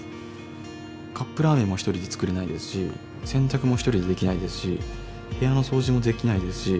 カップラーメンも一人で作れないですし洗濯も一人でできないですし部屋の掃除もできないですし。